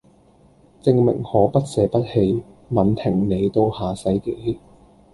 證明可不捨不棄吻停你到下世紀